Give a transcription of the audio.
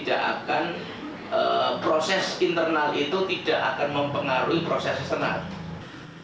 intinya kami tidak akan proses internal itu tidak akan mempengaruhi proses internal